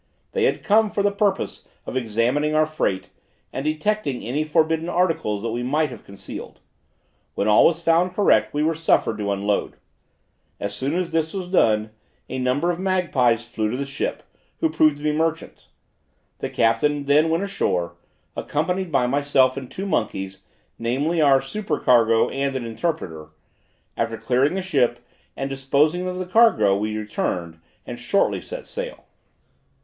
They had come for the purpose of examining our freight and detecting any forbidden articles that we might have concealed; when all was found correct, we were suffered to unload. As soon as this was done, a number of magpies flew to the ship, who proved to be merchants. The captain then went ashore, accompanied by myself and two monkeys, namely, our supercargo and an interpreter; after clearing the ship and disposing of the cargo, we returned, and shortly set sail.